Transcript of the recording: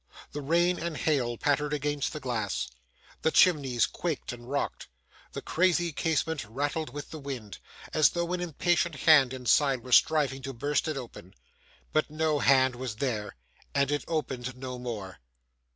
The rain and hail pattered against the glass; the chimneys quaked and rocked; the crazy casement rattled with the wind, as though an impatient hand inside were striving to burst it open. But no hand was there, and it opened no more.